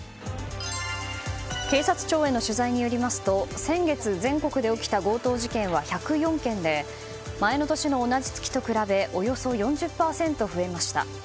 警察庁への取材によりますと先月、全国で起きた強盗事件は１０４件で前の年の同じ月と比べおよそ４０％増えました。